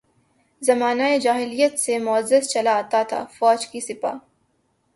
زمانہ جاہلیت سے معزز چلا آتا تھا، فوج کی سپہ